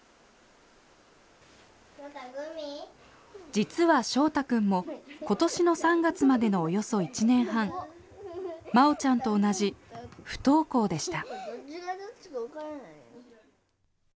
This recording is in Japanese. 実はしょうたくんも今年の３月までのおよそ１年半まおちゃんと同じ不登校でした。